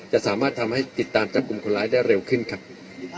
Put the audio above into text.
จะสามารถทำให้ติดตามจับกลุ่มคนร้ายได้เร็วขึ้นครับ